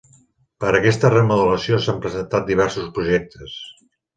Per a aquesta remodelació s'han presentat diversos projectes.